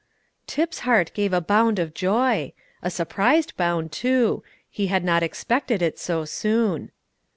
Tip's heart gave a bound of joy a surprised bound, too; he had not expected it so soon.